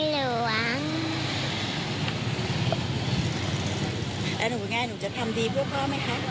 แล้วหนูไงหนูจะทำดีเพื่อพ่อไหมคะ